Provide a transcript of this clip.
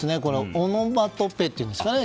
オノマトペっていうんですかね。